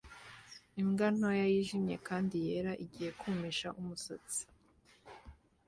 Imbwa ntoya yijimye kandi yera igiye kumisha umusatsi